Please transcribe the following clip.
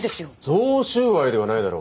贈収賄ではないだろ。